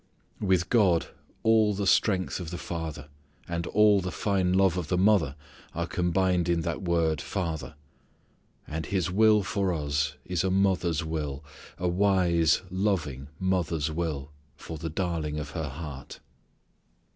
With God, all the strength of the father and all the fine love of the mother are combined in that word "father." And His will for us is a mother's will, a wise loving mother's will for the darling of her heart.